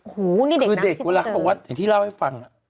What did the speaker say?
หูนี่เด็กน้ำที่เจอคือเด็กเวลาอย่างที่เล่าให้ฟัง